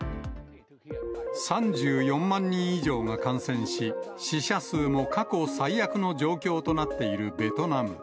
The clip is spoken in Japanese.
３４万人以上が感染し、死者数も過去最悪の状況となっているベトナム。